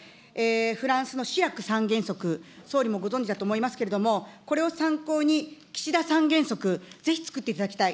フランスのシラク三原則、総理もご存じだと思いますけれども、これを参考に、岸田三原則、ぜひ作っていただきたい。